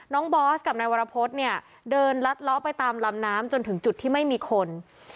บอสกับนายวรพฤษเนี่ยเดินลัดล้อไปตามลำน้ำจนถึงจุดที่ไม่มีคน